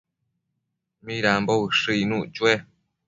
¿Midambo ushëc icnuc chue?